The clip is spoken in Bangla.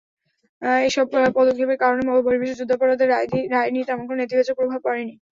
এসব পদক্ষেপের কারণে বহির্বিশ্বে যুদ্ধাপরাধের রায় নিয়ে তেমন কোনো নেতিবাচক প্রভাব পড়েনি।